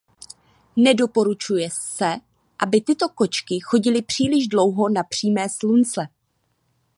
Nedoporučuje se aby tyto kočky chodili příliš dlouho na přímé slunce.